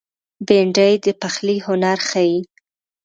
بېنډۍ د پخلي هنر ښيي